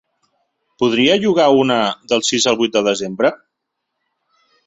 Podria llogar una del sis al vuit de desembre?